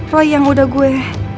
roy yang udah gue